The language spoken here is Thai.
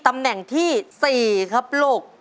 ตำแหน่งที่๔ครับลูก